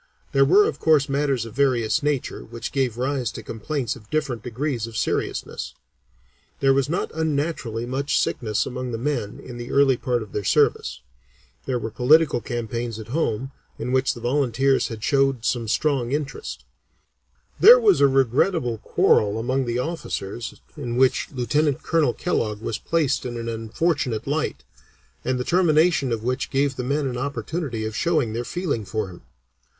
There were of course matters of various nature which gave rise to complaints of different degrees of seriousness; there was not unnaturally much sickness among the men in the early part of their service; there were political campaigns at home, in which the volunteers had and showed a strong interest; there was a regrettable quarrel among the officers in which Lieutenant Colonel Kellogg was placed in an unfortunate light, and the termination of which gave the men an opportunity of showing their feeling for him.